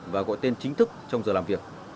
và gọi tên chính thức trong giờ làm việc